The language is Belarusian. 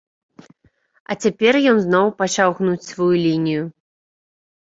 А цяпер ён зноў пачаў гнуць сваю лінію.